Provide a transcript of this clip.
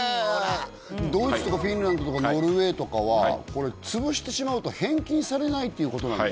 ドイツとかフィンランドとかノルウェーとかは潰してしまうと返金されないという事なんですよね。